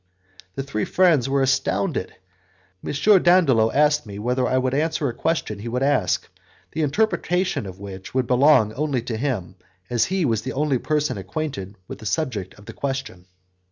The three friends were astounded. M. Dandolo asked me whether I would answer a question he would ask, the interpretation of which would belong only to him, as he was the only person acquainted with the subject of the question.